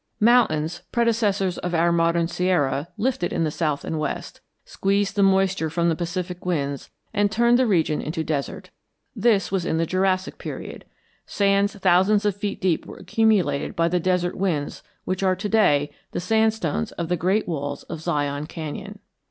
Mountains, predecessors of our modern Sierra, lifted in the south and west, squeezed the moisture from the Pacific winds, and turned the region into desert. This was in the Jurassic Period. Sands thousands of feet deep were accumulated by the desert winds which are to day the sandstones of the giant walls of Zion Canyon.